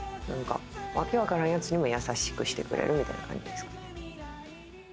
わけわからんやつにも優しくしてくれるみたいな感じですかね。